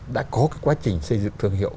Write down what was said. đã có cái quá trình xây dựng thương hiệu